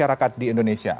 masyarakat di indonesia